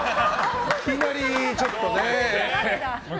いきなりちょっとね。